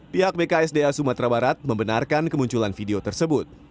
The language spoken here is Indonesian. pihak bksda sumatera barat membenarkan kemunculan video tersebut